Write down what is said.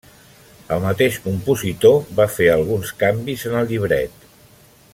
El mateix compositor va fer alguns canvis en el llibret.